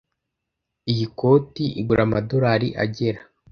Iyi koti igura amadorari agera